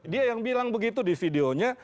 dia yang bilang begitu di videonya